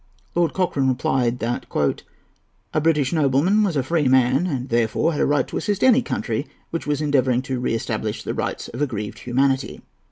Lord Cochrane replied that "a British nobleman was a free man, and therefore had a right to assist any country which was endeavouring to re establish the rights of aggrieved humanity."